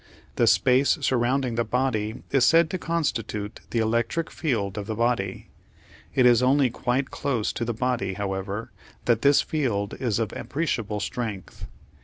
The space surrounding the body is said to constitute the electric field of the body. It is only quite close to the body, however, that this field is of appreciable strength.